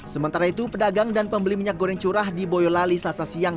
sementara itu pedagang dan pembeli minyak goreng curah di boyolali selasa siang